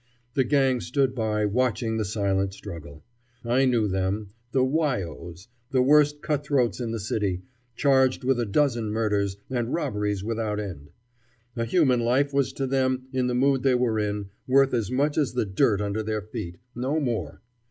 The gang stood by, watching the silent struggle. I knew them the Why os, the worst cutthroats in the city, charged with a dozen murders, and robberies without end. A human life was to them, in the mood they were in, worth as much as the dirt under their feet, no more.